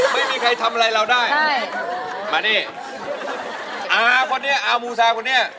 ไม่มีใครทำอะไรเราได้มานี่อาคนนี้อามูซาคนนี้